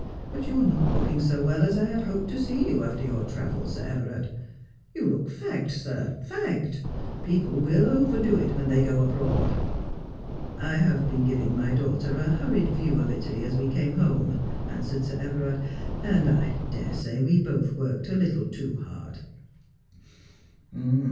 But yo u are not looking so well as I had hoped to see you after your tr avels, Sir Everard. You look fagged, sir, fagged ! People will overdo it when they go abroad.' ' I have been giving my daughter a hurried view of Italy as 200 Just as I Am. we came home,' answered Sir Everard, ' and I dare say *ve both worked a little too hard.'